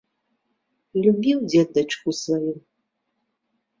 Любіў дзед дачку сваю.